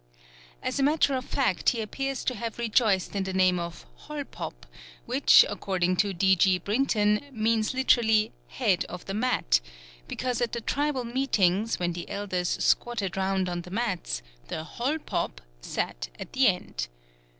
As a matter of fact he appears to have rejoiced in the name of Holpop, which according to D. G. Brinton means literally "head of the mat," because at the tribal meetings when the elders squatted round on the mats, the Holpop sat at the end.